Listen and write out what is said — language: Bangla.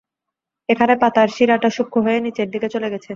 এখানে পাতার শিরাটা সূক্ষ্ম হয়ে নিচের দিকে চলে গেছে।